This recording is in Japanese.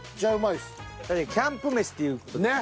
キャンプ飯っていうとね。